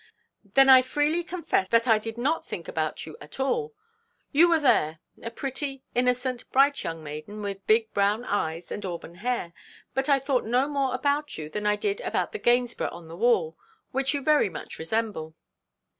'Then I freely confess that I did not think about you at all. You were there a pretty, innocent, bright young maiden, with big brown eyes and auburn hair; but I thought no more about you than I did about the Gainsborough on the wall, which you very much resemble.'